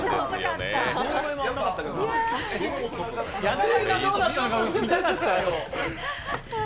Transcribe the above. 矢田さんがどうだったか見たかったよ。